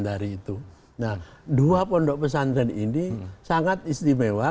nah dua pondok pesantren ini sangat istimewa